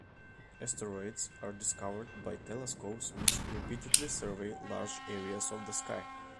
Asteroids are discovered by telescopes which repeatedly survey large areas of sky.